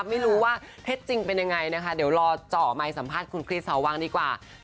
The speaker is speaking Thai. ไม่รู้ว่าเท็จจริงเป็นยังไงนะคะเดี๋ยวรอเจาะไมค์สัมภาษณ์คุณคริสสาววังดีกว่า